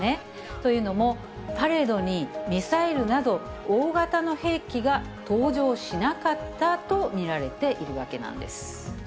というのも、パレードにミサイルなど、大型の兵器が登場しなかったと見られているわけなんです。